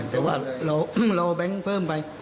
แต่ว่าเราเอาแบงค์เพิ่มไป